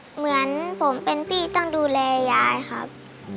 เหมือนผมเป็นพี่ต้องดูแลยายครับ